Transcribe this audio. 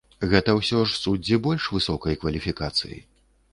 Гэта ўсё ж суддзі больш высокай кваліфікацыі.